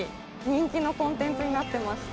人気のコンテンツになってまして。